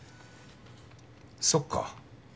そっか。